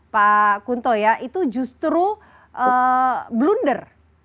pak kunto ya itu justru blunder